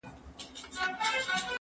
په ټول ښار کي مي دښمن دا یو قصاب دی